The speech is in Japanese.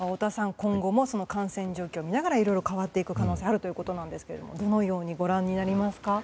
今後も感染状況を見ながらいろいろ変わっていく可能性があるということですがどのようにご覧になりますか。